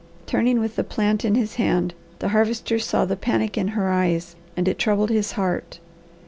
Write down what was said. Turning with the plant in his hand the Harvester saw the panic in her eyes, and it troubled his heart.